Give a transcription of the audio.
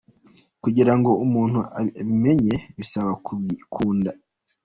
Kugira ngo umuntu abimenye bisaba kubikunda .